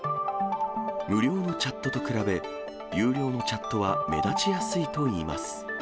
無料のチャットと比べ、有料のチャットは目立ちやすいといいます。